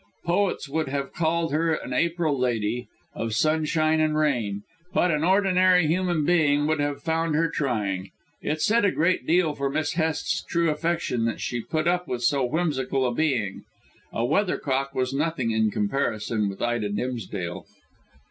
Poets would have called her an April lady, of sunshine and rain, but an ordinary human being would have found her trying. It said a great deal for Miss Hest's true affection that she put up with so whimsical a being. A weathercock was nothing in comparison with Ida Dimsdale.